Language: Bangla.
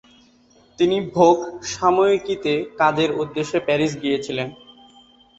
তিনি "ভোগ" সাময়িকীতে কাজের উদ্দেশ্যে প্যারিস গিয়েছিলেন।